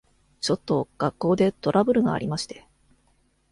ちょっと学校でトラブルがありまして。